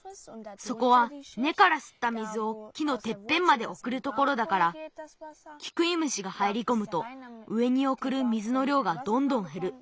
そこはねからすった水を木のてっぺんまでおくるところだからキクイムシがはいりこむと上におくる水のりょうがどんどんへる。